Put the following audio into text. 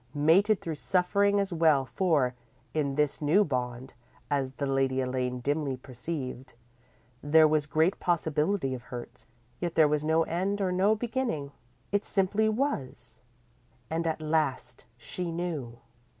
Mated through suffering as well, for, in this new bond, as the Lady Elaine dimly perceived, there was great possibility of hurt. Yet there was no end or no beginning; it simply was, and at last she knew.